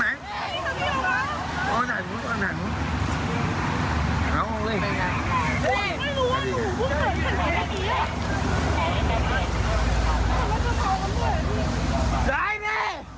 ใหล่เหมาะ